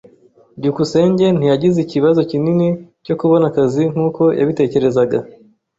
byukusenge ntiyagize ikibazo kinini cyo kubona akazi nkuko yabitekerezaga.